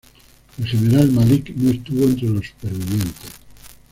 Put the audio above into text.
El general Malik no estuvo entre los supervivientes.